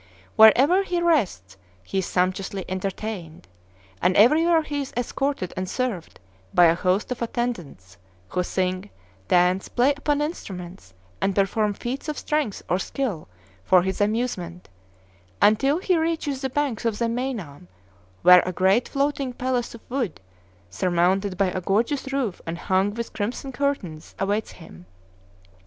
Wherever he rests he is sumptuously entertained, and everywhere he is escorted and served by a host of attendants, who sing, dance, play upon instruments, and perform feats of strength or skill for his amusement, until he reaches the banks of the Meinam, where a great floating palace of wood, surmounted by a gorgeous roof and hung with crimson curtains, awaits him.